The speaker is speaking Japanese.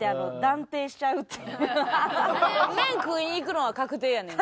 麺食いに行くのは確定やねんな。